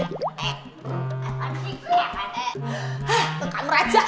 aduh keren aja ah